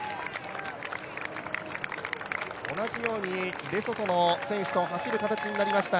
同じようにレソトの選手と走る形になりました。